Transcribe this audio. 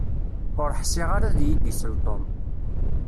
Ur ḥsiɣ ara ad iyi-d-isel Tom